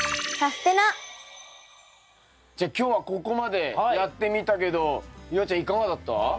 じゃあ今日はここまでやってみたけど夕空ちゃんいかがだった？